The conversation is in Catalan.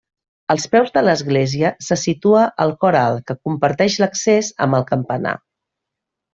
Als peus de l'església se situa el cor alt que comparteix l'accés amb el campanar.